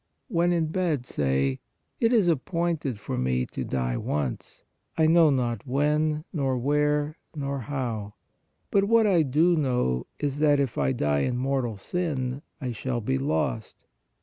When in bed say:) It is appointed for me to die once; I know not when, nor where, nor how; but what I do know is that, if I die in mortal sin, I shall be lost!